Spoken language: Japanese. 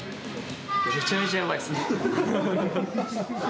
めちゃめちゃやばいですね。